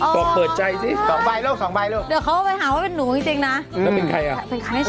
ตัวเองมันเป็นไง